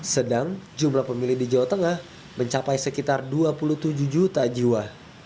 sedang jumlah pemilih di jawa tengah mencapai sekitar dua puluh tujuh juta jiwa